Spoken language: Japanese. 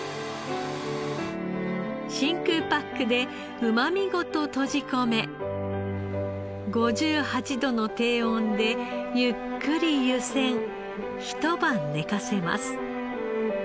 真空パックでうま味ごと閉じ込め５８度の低温でゆっくり湯煎一晩寝かせます。